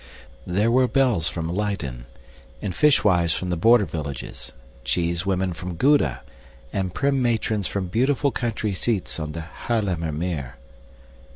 There were belles from Leyden, and fishwives from the border villages; cheese women from Gouda, and prim matrons from beautiful country seats on the Haarlemmer Meer.